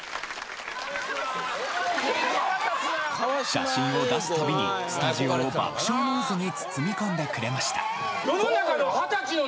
写真を出すたびにスタジオを爆笑の渦に包み込んでくれました